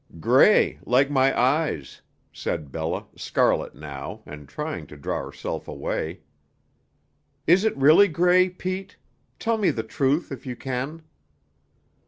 "Gray like my eyes," said Bella, scarlet now, and trying to draw herself away. "Is it really gray, Pete? Tell me the truth, if you can."